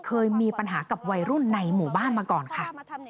เคยมีปัญหากับวัยรุ่นในหมู่บ้านมาก่อนค่ะ